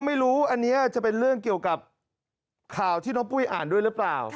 ไม่รู้อันนี้จะเป็นเรื่องเกี่ยวกับข่าวที่น้องปุ้ยอ่านด้วยหรือเปล่า